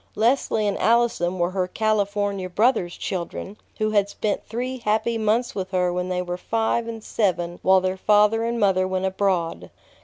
Leslie and Allison were her California brother's children, who had spent three happy months with her when they were five and seven while their father and mother went abroad.